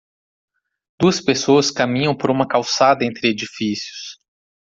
Duas pessoas caminham por uma calçada entre edifícios.